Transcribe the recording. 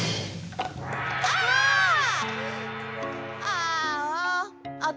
ああ。